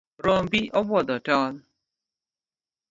Rombi obwodho tol.